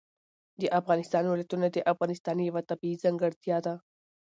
د افغانستان ولايتونه د افغانستان یوه طبیعي ځانګړتیا ده.